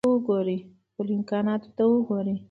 خپلو امکاناتو ته وګورئ.